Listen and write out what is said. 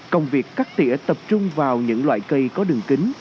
công việc cắt tỉa tập trung vào những loại cây có đường kính